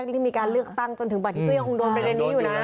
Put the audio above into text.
ที่มีการเลือกตั้งจนถึงบัตรนี้ก็ยังคงโดนประเด็นนี้อยู่นะ